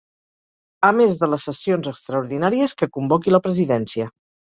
A més de les sessions extraordinàries que convoqui la presidència.